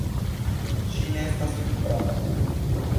Ŝi ne estas prava.